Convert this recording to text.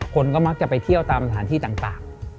คนก็มักจะไปเที่ยวตามสถานที่ต่าง